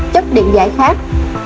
chất điện giải khác